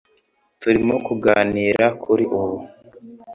Turimo kuganira kuri ubu.